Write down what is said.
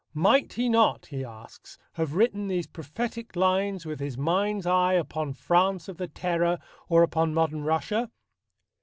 "Might he not," he asks, "have written these prophetic lines with his mind's eye upon France of the Terror or upon modern Russia?"